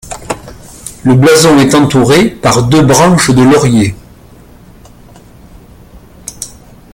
Le blason est entouré par deux branches de laurier.